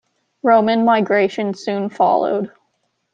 Roman migration soon followed.